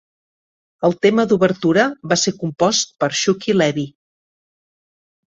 El tema d'obertura va ser compost per Shuki Levy.